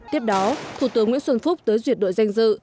tiếp đó thủ tướng nguyễn xuân phúc tới duyệt đội danh dự